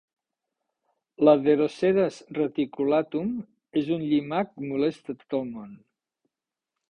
La "Deroceras reticulatum" és un llimac molest a tot al món.